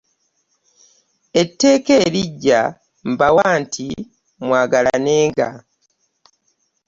Etteeka eriggya mbawa nti Mwagalanenga.